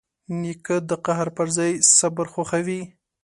نیکه د قهر پر ځای صبر خوښوي.